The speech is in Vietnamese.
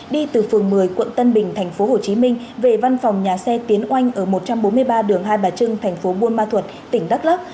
đi từ phường một mươi quận tân bình tp hồ chí minh về văn phòng nhà xe tiến oanh ở một trăm bốn mươi ba đường hai bà trưng tp buôn ma thuật tỉnh đắk lắk